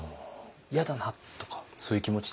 嫌だなとかそういう気持ちって実際。